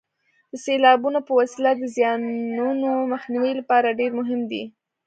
د سیلابونو په وسیله د زیانونو مخنیوي لپاره ډېر مهم دي.